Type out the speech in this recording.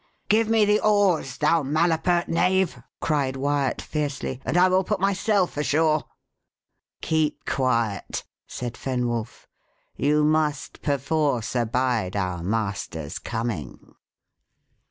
"Give me the oars, thou malapert knave!" cried Wyat fiercely, "and I will put myself ashore." "Keep quiet," said Fenwolf; "you must perforce abide our master's coming."